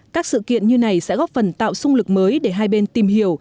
các sự kiện như này sẽ góp phần tạo sung lực mới để hai bên tìm hiểu